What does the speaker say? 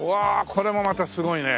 これもまたすごいね。